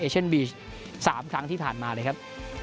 ที่ผ่านมาเลยครับ